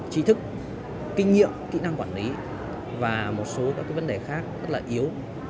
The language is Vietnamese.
trí thức kinh nghiệm kỹ năng quản lý và một số các vấn đề khác rất là yếu